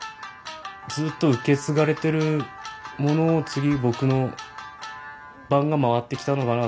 ずっと受け継がれてるものを次僕の番が回ってきたのかなと思って。